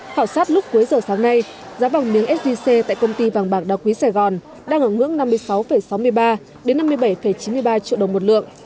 khảo sát lúc cuối giờ sáng nay giá vàng miếng sgc tại công ty vàng bạc đa quý sài gòn đang ở ngưỡng năm mươi sáu sáu mươi ba năm mươi bảy chín mươi ba triệu đồng một lượng